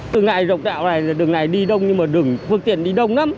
đường này rộng đạo này là đường này đi đông nhưng mà đường phương tiện đi đông lắm